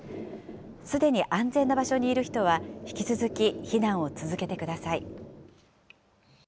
すでに安全な場所にいる人は、引き続き避難を続けてください。